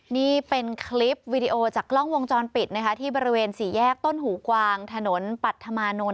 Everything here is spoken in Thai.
นี่เป็นคลิปวีดีโอจากกล้องวงจรปิดนะคะที่บริเวณสี่แยกต้นหูกวางถนนปัธมานนท์